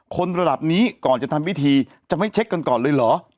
คนระดับนี้ก่อนจะทำพิธีจะไม่เช็คกันก่อนเลยเหรอ